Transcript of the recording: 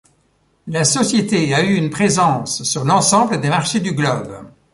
La société a eu une présence sur l'ensemble des marchés du globe.